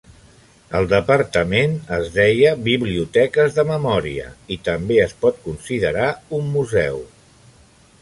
El departament es deia "biblioteques de memòria" i també es pot considerar un museu.